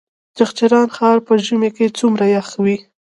چغچران ښار په ژمي کې څومره یخ وي؟